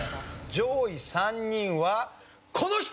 上位３人はこの人！